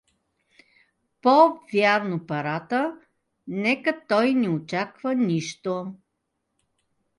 по-вярно парата, нека той не очаква нищо.